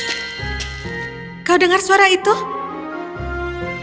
jangan men gabriel